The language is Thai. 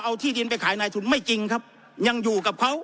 เอาที่ดินไปขายนายทุนไม่จริงครับยังอยู่กับเขา